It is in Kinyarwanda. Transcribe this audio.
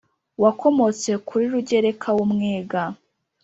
wakomotse kuri rugereka w'umwega